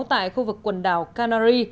tại khu vực quần đảo canary